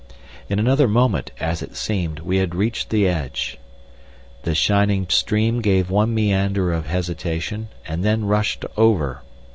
In another moment, as it seemed, we had reached the edge. The shining stream gave one meander of hesitation and then rushed over.